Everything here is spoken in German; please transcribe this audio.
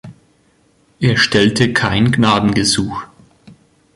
Er stellte kein Gnadengesuch.